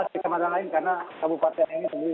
empat belas kecamatan lain karena kabupaten ini